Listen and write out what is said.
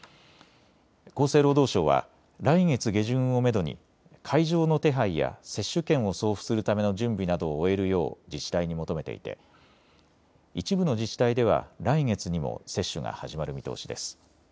厚生労働省は来月下旬をめどに会場の手配や接種券を送付するための準備などを終えるよう自治体に求めていて一部の自治体では来月にも接種が始まる見通しです。